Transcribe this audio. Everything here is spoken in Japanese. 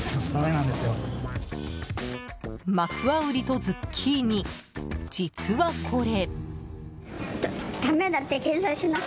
マクワウリとズッキーニ実はこれ。